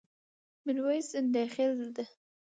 ميرويس ځنډيخيل ډه